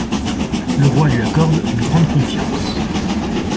Le roi lui accorde une grande confiance.